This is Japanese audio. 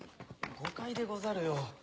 誤解でござるよ